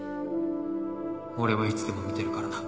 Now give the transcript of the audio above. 俺はいつでも見てるからな。